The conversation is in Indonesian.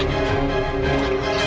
ini peci saya agak kecil